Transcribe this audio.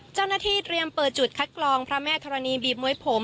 เจ้าหน้าที่เตรียมเปิดจุดคัดกรองพระแม่ธรณีบีบมวยผม